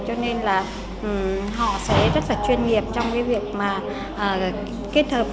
cho nên là họ sẽ rất là chuyên nghiệp trong cái việc mà kết hợp